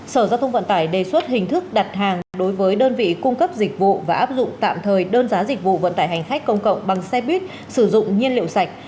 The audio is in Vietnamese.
sở giao thông vận tải đề xuất hình thức đặt hàng đối với đơn vị cung cấp dịch vụ và áp dụng tạm thời đơn giá dịch vụ vận tải hành khách công cộng bằng xe buýt sử dụng nhiên liệu sạch